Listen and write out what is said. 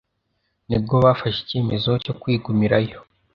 ni bwo bafashe icyemezo cyo kwigumirayo.